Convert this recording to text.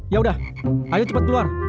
ya udah ayo cepat keluar